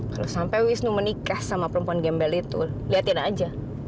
kalau sampai wisnu menikah sama perempuan gembel itu liatin aja